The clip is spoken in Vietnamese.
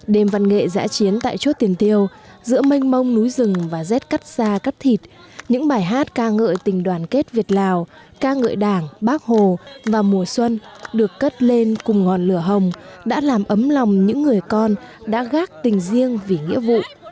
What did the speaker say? đêm văn nghệ giã chiến tại chốt tiền tiêu giữa mênh mông núi rừng và rét cắt da cắt thịt những bài hát ca ngợi tình đoàn kết việt lào ca ngợi đảng bác hồ và mùa xuân được cất lên cùng ngọn lửa hồng đã làm ấm lòng những người con đã gác tình riêng vì nghĩa vụ